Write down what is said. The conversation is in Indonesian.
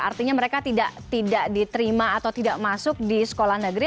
artinya mereka tidak diterima atau tidak masuk di sekolah negeri